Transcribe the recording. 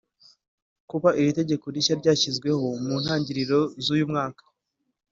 Kuba iro tegeko rishya ryashyizweho mu ntangiriro z’uyu mwaka